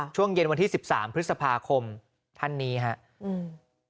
ช่วงเย็นวันที่สิบสามพฤษภาคมท่านนี้ครับ